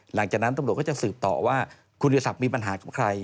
หลังจากนั้นตำรวจก็จะสืบต่อว่าคุณวิทยาศักดิ์มีปัญหากับใคร